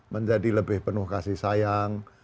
menjadi lebih penuh kasih sayang